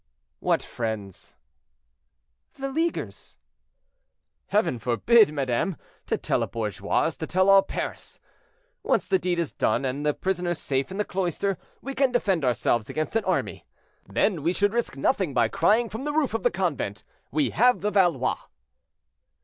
"What friends?"—"The leaguers." "Heaven forbid, madame; to tell a bourgeois is to tell all Paris. Once the deed is done, and the prisoner safe in the cloister, we can defend ourselves against an army. Then we should risk nothing by crying from the roof of the convent, 'We have the Valois!'"